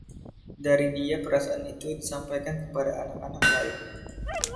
Dari dia perasaan itu disampaikan kepada anak-anak lain.